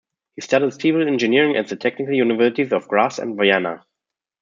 He studied civil engineering at the Technical Universities of Graz and Vienna.